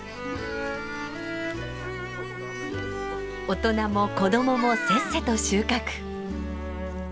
大人も子供もせっせと収穫。